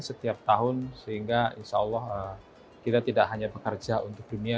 setiap tahun sehingga insya allah kita tidak hanya bekerja untuk dunia